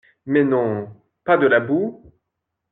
Mais non, pas de la boue ?